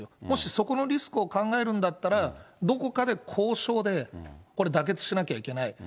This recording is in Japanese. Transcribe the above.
もしそこのリスクを考えるんだったら、どこかで交渉で、これ、だけつしなきゃいけない。